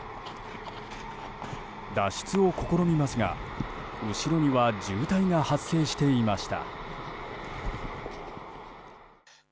脱出を試みますが、後ろには渋滞が発生していました。